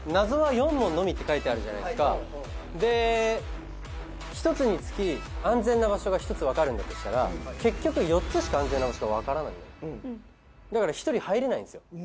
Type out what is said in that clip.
「謎は４問のみ」って書いてあるじゃないですかで１つにつき安全な場所が１つ分かるんだとしたら結局４つしか安全な場所は分からないのだから１人入れないんですよ